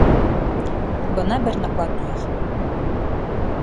Бына бер накладной.